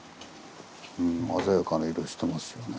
鮮やかな色してますよね。